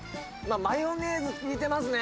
マヨネーズきいてますね。